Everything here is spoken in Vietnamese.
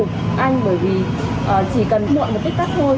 em phục anh bởi vì chỉ cần muộn một tích tắc thôi